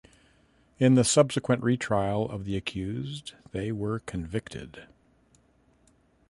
In the subsequent retrial of the accused they were convicted.